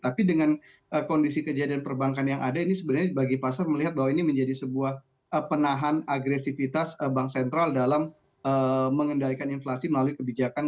tapi dengan kondisi kejadian perbankan yang ada ini sebenarnya bagi pasar melihat bahwa ini menjadi sebuah penahan agresivitas bank sentral dalam mengendalikan inflasi melalui kebijakan